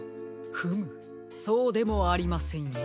フムそうでもありませんよ。